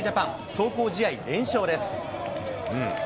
壮行試合連勝です。